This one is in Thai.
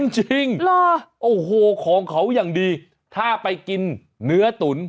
จริงโอ้โหของเขาอย่างดีถ้าไปกินเนื้อตุ๋น